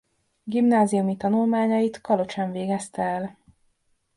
Gimnáziumi tanulmányait Kalocsán végezte el.